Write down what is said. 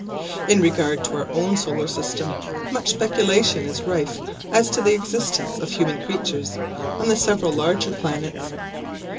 In regard to our own solar system much speculation is rife as to the existence of human creatures on the several larger planets.